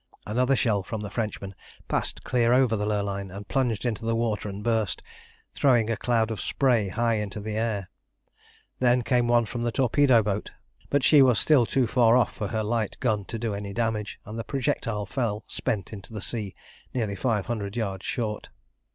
Another shell from the Frenchman passed clear over the Lurline, and plunged into the water and burst, throwing a cloud of spray high into the air. Then came one from the torpedo boat, but she was still too far off for her light gun to do any damage, and the projectile fell spent into the sea nearly five hundred yards short.